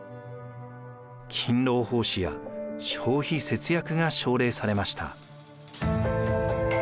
勤労奉仕や消費節約が奨励されました。